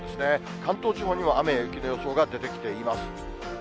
関東地方にも雨や雪の予想が出てきています。